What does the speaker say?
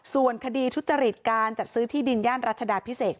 ส่วนคดีทุจริตการจัดซื้อที่ดินย่านรัชดาพิเศษ